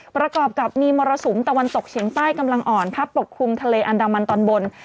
ประกอบกับมีมรสุมตะวันตกเฉียงใต้กำลังอ่อนพัดปกคลุมทะเลอันดามันตอนบน